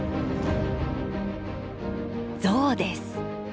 ゾウです。